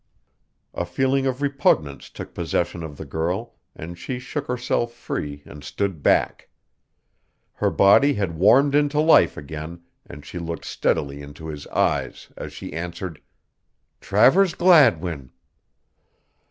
A feeling of repugnance took possession of the girl and she shook herself free and stood back. Her body had warmed into life again and she looked steadily into his eyes as she answered: "Travers Gladwin!"